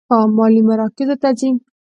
مالي مراکزو ته ځي.